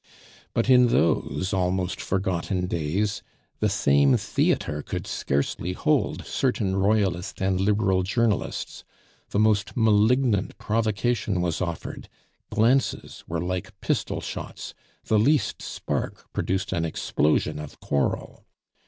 But in those almost forgotten days the same theatre could scarcely hold certain Royalist and Liberal journalists; the most malignant provocation was offered, glances were like pistol shots, the least spark produced an explosion of quarrel.